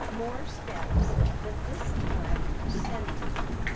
More steps, but this time ascending.